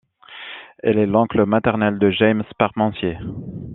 Il est l'oncle maternel de James Parmentier.